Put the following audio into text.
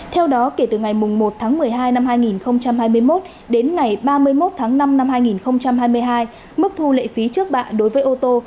theo đó kể từ ngày một tháng một mươi hai năm hai nghìn hai mươi một đến ngày ba mươi một tháng năm năm hai nghìn hai mươi hai mức thu lệ phí trước bạ đối với ô tô